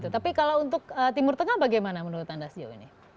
tapi kalau untuk timur tengah bagaimana menurut anda sejauh ini